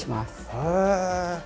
へえ。